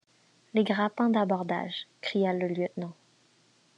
Les grappins d’abordage ! cria le lieutenant.